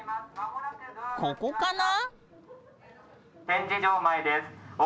ここかな？